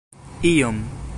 iom